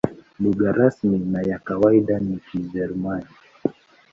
Lugha rasmi na ya kawaida ni Kijerumani.